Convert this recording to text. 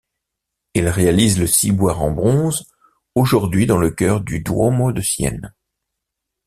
Il réalise le ciboire en bronze aujourd'hui dans le chœur du Duomo de Sienne.